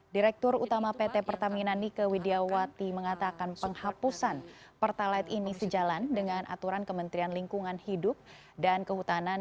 direktur utama pt pertamina nike widjawati mengatakan penghapusan pertalite ini sejalan dengan aturan kementerian lingkungan hidup dan kehutanan